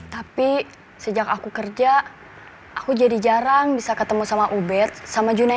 tapi sejak aku kerja aku jadi jarang bisa ketemu sama uber sama junai